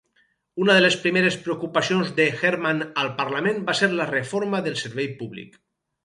Una de les primeres preocupacions de Herdman al Parlament va ser la reforma del servei públic.